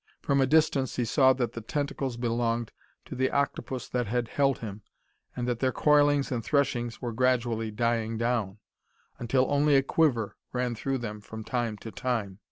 From a distance he saw that the tentacles belonged to the octopus that had held him, and that their coilings and threshings were gradually dying down, until only a quiver ran through them from time to time.